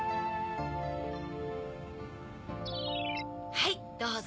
はいどうぞ！